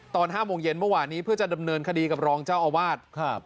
ตอน๕โมงเย็นเมื่อวานนี้เพื่อจะดำเนินคดีกับรองเจ้าอาวาส